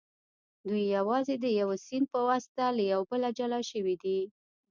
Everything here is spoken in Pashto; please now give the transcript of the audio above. دوی یوازې د یوه سیند په واسطه له یو بله جلا شوي دي